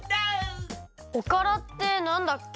おからってなんだっけ？